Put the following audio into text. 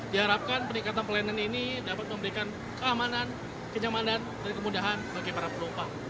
diharapkan peningkatan pelayanan ini dapat memberikan keamanan kenyamanan dan kemudahan bagi para penumpang